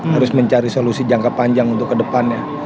harus mencari solusi jangka panjang untuk kedepannya